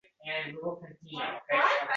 Kichik aka o‘ksinadi qovoq uyib